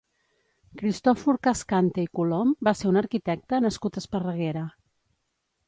Cristòfor Cascante i Colom va ser un arquitecte nascut a Esparreguera.